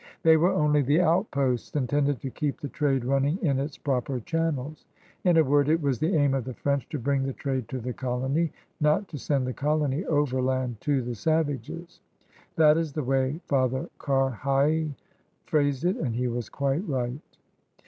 They were only the outposts intended to keep the trade running in its proper channels. In a word, it was the aim of the French to bring the trade to the colony, not to send the colony overland to the savages. That is the way Father Carheil phrased it, and he was quite right.